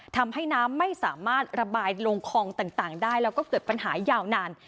ทำให้น้ำไม่สามารถระบายลงคลองต่างได้แล้วก็เกิดปัญหายาวนาน